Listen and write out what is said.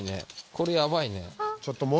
これやばいね。